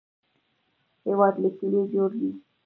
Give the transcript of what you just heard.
هېواد له کلیو جوړ دی